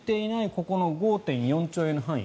ここの５．４兆円の範囲